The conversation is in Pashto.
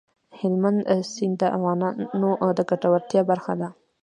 هلمند سیند د افغانانو د ګټورتیا برخه ده.